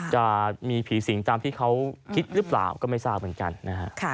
จะมีผีสิงตามที่เขาคิดหรือเปล่าก็ไม่ทราบเหมือนกันนะฮะ